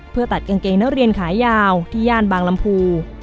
เพื่อตัดกางเกงนะเยี่ยงขายาวที่ญาณบางรำภู